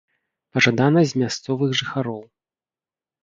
Пажадана з мясцовых жыхароў.